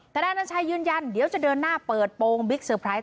นายอนัญชัยยืนยันเดี๋ยวจะเดินหน้าเปิดโปรงบิ๊กเซอร์ไพรส